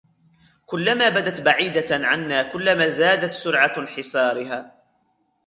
كلما بدت بعيدة عنا كلما زادت سرعة انحسارها